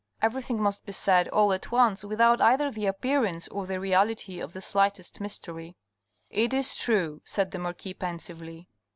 Everything must be said all at once without either the appearance or the reality of the slightest mystery." " It is true," said the marquis pensively.